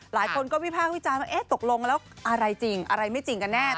หลายคนก็วิพากษ์วิจารณ์ว่าตกลงแล้วอะไรจริงอะไรไม่จริงกันแน่